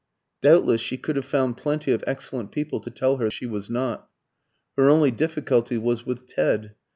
Doubtless she could have found plenty of excellent people to tell her she was not. Her only difficulty was with Ted.